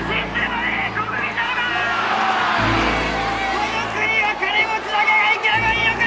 この国は金持ちだけが生きればいいのか！